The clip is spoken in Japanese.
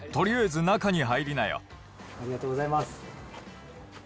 ありがとうございます。